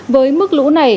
với mức lũ này